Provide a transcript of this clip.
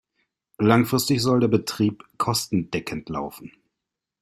Langfristig soll der Betrieb kostendeckend laufen.